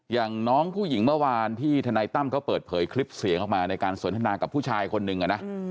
อย่างน้องผู้หญิงเมื่อวานที่ทนายตั้มเขาเปิดเผยคลิปเสียงออกมาในการสนทนากับผู้ชายคนหนึ่งนะ